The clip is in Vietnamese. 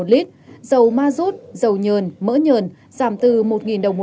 một lít dầu ma rút dầu nhờn mỡ nhờn giảm từ một đồng một